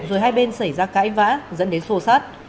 rồi hai bên xảy ra cãi vã dẫn đến sô sát